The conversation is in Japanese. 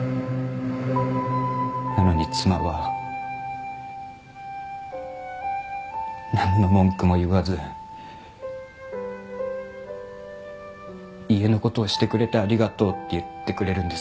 なのに妻はなんの文句も言わず家の事をしてくれてありがとうって言ってくれるんです。